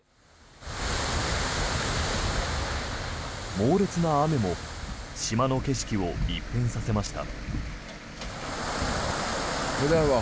猛烈な雨も島の景色を一変させました。